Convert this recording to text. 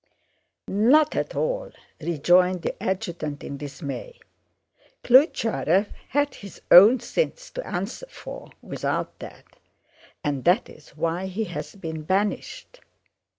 "Not at all," rejoined the adjutant in dismay. "Klyucharëv had his own sins to answer for without that and that is why he has been banished.